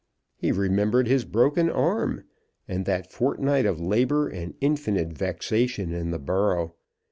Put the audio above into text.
He remembered his broken arm, and that fortnight of labour and infinite vexation in the borough.